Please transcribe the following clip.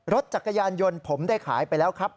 รถจักรยานยนต์ผมได้ขายไปแล้วครับ